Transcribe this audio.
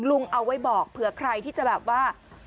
เอาไว้บอกเผื่อใครที่จะแบบว่า